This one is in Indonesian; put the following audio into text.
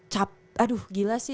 cap aduh gila sih